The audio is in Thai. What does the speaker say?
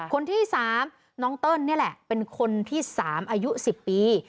คนที่๓น้องเติ้ลนี่แหละเป็นคนที่๓อายุ๑๐ปี